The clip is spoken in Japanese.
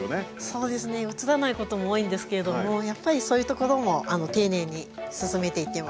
そうですね映らないことも多いんですけれどもやっぱりそういうところも丁寧に進めていってます。